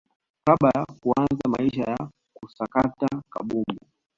kabla ya kuanza maisha ya kusakata kabumbu